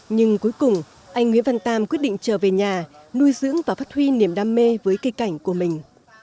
nhưng cuối cùng anh nguyễn văn tam quyết định trở về nhà nuôi dưỡng và phát huy niềm đam mê với cây cảnh của mình